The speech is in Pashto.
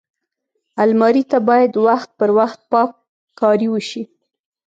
الماري ته باید وخت پر وخت پاک کاری وشي